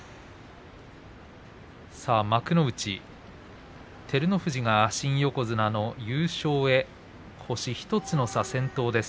幕内、照ノ富士が新横綱の優勝へ、星１つの差先頭です。